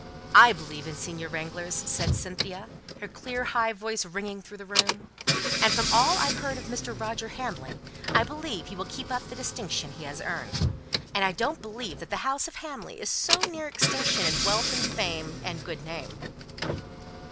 "I believe in senior wranglers," said Cynthia, her clear high voice ringing through the room. "And from all I've ever heard of Mr. Roger Hamley, I believe he will keep up the distinction he has earned. And I don't believe that the house of Hamley is so near extinction in wealth and fame, and good name."